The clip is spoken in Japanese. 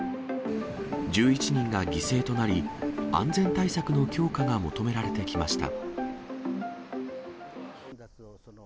１１人が犠牲となり、安全対策の強化が求められてきました。